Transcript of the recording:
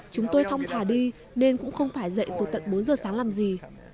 chúng tôi thong thả đi nên cũng không phải dậy từ tận bốn giờ sáng làm gì